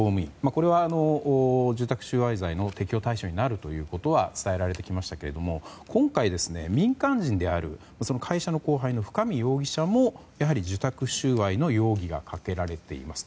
これは受託収賄罪の適用対象になるということは伝えられてきましたが今回、民間人である会社の後輩の深見容疑者もやはり受託収賄の容疑がかけられています。